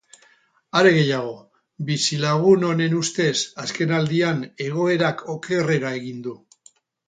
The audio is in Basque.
Are gehiago, bizilagun honen ustez, azkenaldian egoerak okerrera egin du.